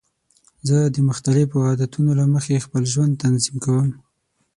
زه د مختلفو عادتونو له مخې خپل ژوند تنظیم کوم.